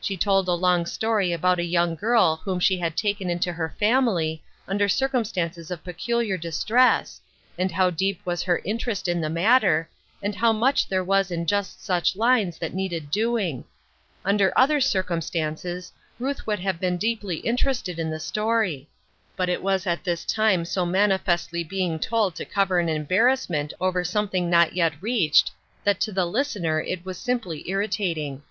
She told a long story about a young girl whom she had taken into her family under circumstances of pecu liar distress, and how deep was her interest in the matter, and how much there was in just such lines 310 A WAITING WORKER. that needed doing. Under other circumstances, Ruth would have been deeply interested in the story ; but it was at this time so manifestly being told to cover an embarrassment over something not yet reached, that to the listener it was simply irritating.